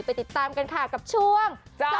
ติดตามกันค่ะกับช่วง